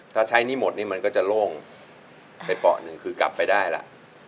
ถ้าใช้หนี้หมดนี่มันก็จะโล่งไปเปราะหนึ่งคือกลับไปได้ล่ะ